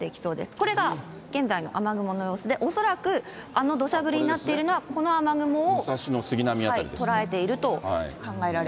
これが現在の雨雲の様子で、恐らく、あのどしゃ降りになっているのは、この雨雲を。